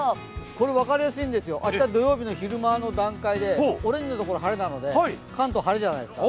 これ、分かりやすいんですよ、土曜日の昼間の段階でオレンジのところ、晴れなので関東、晴れじゃないですか。